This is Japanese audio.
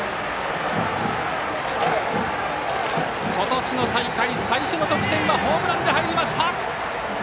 今年の大会、最初の得点はホームランで入りました！